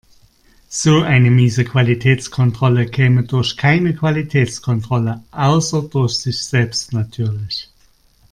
So eine miese Qualitätskontrolle käme durch keine Qualitätskontrolle, außer durch sich selbst natürlich.